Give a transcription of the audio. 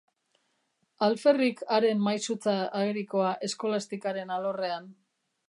Alferrik haren maisutza agerikoa Eskolastikaren alorrean.